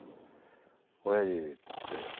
「おやじ」って。